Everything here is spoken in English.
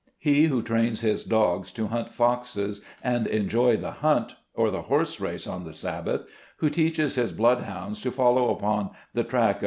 He who trains his dogs to hunt foxes, and enjoys the hunt or the horse race on the Sabbath, who teaches his blood hounds to follow upon the track of 200 SKETCHES OF SLAVE LIFE.